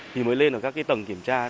thì mới lên ở các tầng kiểm tra